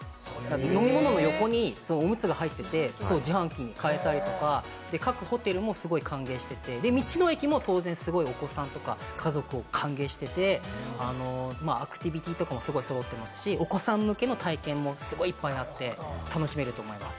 飲み物の横におむつが入ってて、自販機で買えたりとか、各ホテルも歓迎していて、道の駅も当然お子さんとか家族を歓迎していて、アクティビティとかもそろってますし、お子さん向けの体験もすごくいっぱいあって楽しめると思います。